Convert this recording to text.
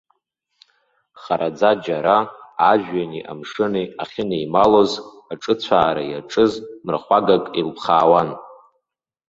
Хараӡа џьара, ажәҩани амшыни ахьынеималоз, аҿыцәаара иаҿыз мрахәагак еилԥхаауан.